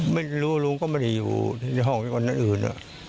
ไม่รู้ลุงก็ไม่ได้อยู่ในห้องคนอื่น